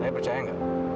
tapi percaya gak